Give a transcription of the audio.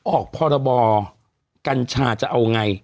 ออกพปการ์ช่าจะเอาไง